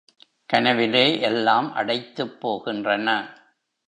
கனவிலே எல்லாம் அடைத்துப் போகின்றன.